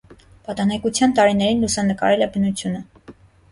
Պատանեկության տարիներին լուսանկարել է բնությունը։